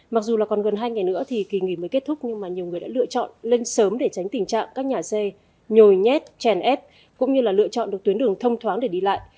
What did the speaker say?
mặc dù là còn gần hai ngày nữa thì kỳ nghỉ mới kết thúc nhưng mà nhiều người đã lựa chọn lên sớm để tránh tình trạng các nhà xe nhồi nhét chèn ép cũng như lựa chọn được tuyến đường thông thoáng để đi lại